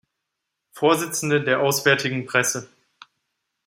Vorsitzende der „Auswärtigen Presse“.